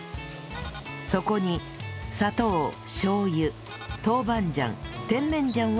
そこに砂糖しょう油豆板醤甜麺醤を加えます